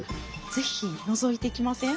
是非のぞいていきません？